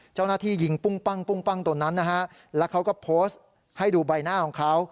เจ้าหน้าที่ยิงปุ้งปั้งปุ้งปั้งตรงนั้นนะฮะแล้วเขาก็โพสต์ให้ดูใบหน้าของเขา